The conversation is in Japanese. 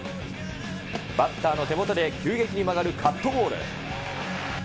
バッターの手元で急激に曲がるカットボール。